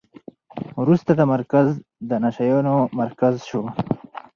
وروسته دا مرکز د نشه یانو مرکز شو.